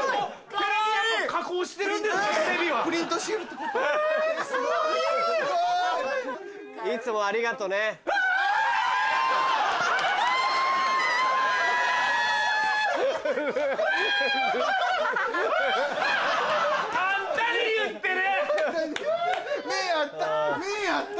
キャ！あんたに言ってる！